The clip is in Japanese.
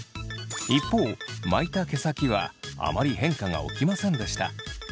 一方巻いた毛先はあまり変化が起きませんでした。